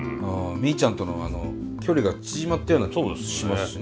みーちゃんとのあの距離が縮まったような気もしますしね。